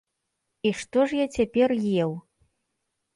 І што ж я цяпер еў?